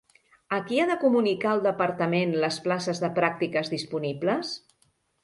A qui ha de comunicar el Departament les places de pràctiques disponibles?